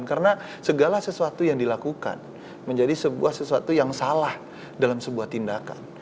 karena segala sesuatu yang dilakukan menjadi sesuatu yang salah dalam sebuah tindakan